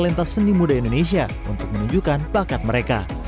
lintas seni muda indonesia untuk menunjukkan bakat mereka